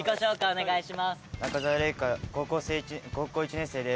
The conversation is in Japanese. お願いします。